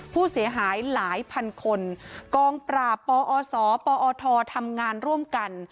ผู้เสียหายหลายพันคนกองปราบปอศปอททำงานร่วมกัน